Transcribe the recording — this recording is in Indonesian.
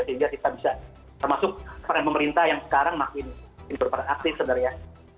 sehingga kita bisa termasuk peran pemerintah yang sekarang makin berperan aktif sebenarnya